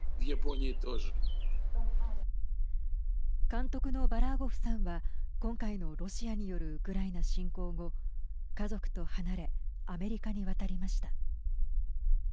監督のバラーゴフさんは今回のロシアによるウクライナ侵攻後家族と離れアメリカに渡りました。